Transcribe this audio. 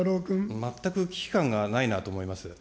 全く危機感がないなと思います。